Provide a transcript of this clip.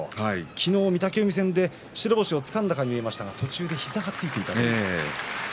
昨日の御嶽海戦、白星をつかんだように見えましたが途中で膝をついていました。